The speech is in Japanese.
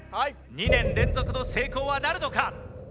２年連続の成功はなるのか？